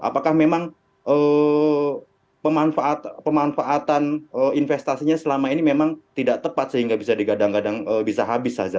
apakah memang pemanfaatan investasinya selama ini memang tidak tepat sehingga bisa digadang gadang bisa habis saza